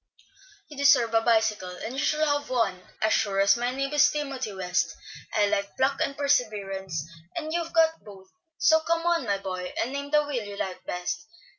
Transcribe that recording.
"You deserve a bicycle, and you shall have one, as sure as my name is Timothy West. I like pluck and perseverance, and you've got both; so come on, my boy, and name the wheel you like best.